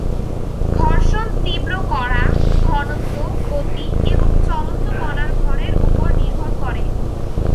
ঘর্ষণ তীব্র কড়া, ঘনত্ব, গতি এবং চলন্ত কণার ভরের উপর নির্ভর করে।